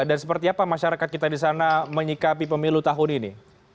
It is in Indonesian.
dan seperti apa masyarakat kita di sana menyikapi pemilu tahun ini